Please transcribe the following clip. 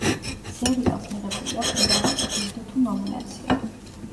სერიალს მიღებული აქვს მრავალი ჯილდო თუ ნომინაცია.